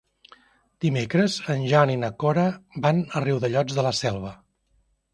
Dimecres en Jan i na Cora van a Riudellots de la Selva.